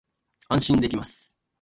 安心できます